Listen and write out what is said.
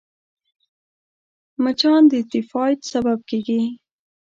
مچان د تيفايد سبب کېږي